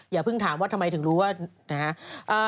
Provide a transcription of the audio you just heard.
อย่าพึ่งถามว่าทำไมถึงรู้ว่า